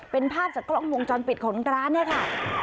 เป็นภาพจากกล้องวงจรปิดของร้านเนี่ยค่ะ